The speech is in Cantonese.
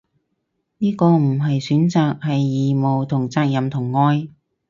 呢個唔係選擇，係義務同責任同愛